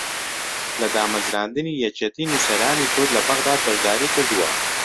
لە دامەزراندنی یەکێتی نووسەرانی کورد لە بەغداد بەشداری کردووە